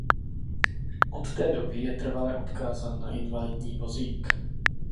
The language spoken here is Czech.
Od té doby je trvale odkázán na invalidní vozík.